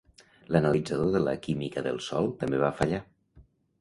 L'analitzador de la química del sòl també va fallar.